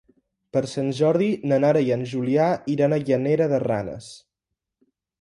Per Sant Jordi na Nara i en Julià iran a Llanera de Ranes.